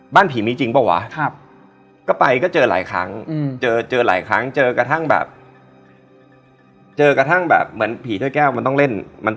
บ้านผีมีจริงป่าววะ